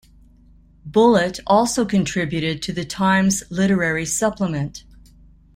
Bullett also contributed to the Times Literary Supplement.